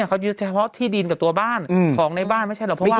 เขายึดเฉพาะที่พื้นกำแหนนืนกับตัวบ้าน